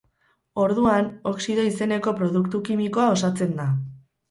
Orduan, oxido izeneko produktu kimikoa osatzen da.